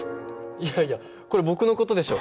いやいやこれ僕の事でしょ！